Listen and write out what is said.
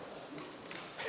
え